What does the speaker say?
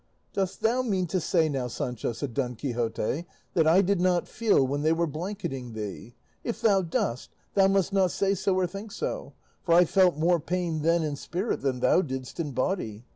"Dost thou mean to say now, Sancho," said Don Quixote, "that I did not feel when they were blanketing thee? If thou dost, thou must not say so or think so, for I felt more pain then in spirit than thou didst in body.